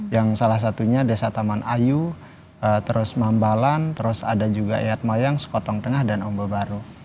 yang salah satunya desa taman ayu terus mambalan terus ada juga yayat mayang sekotong tengah dan ombaru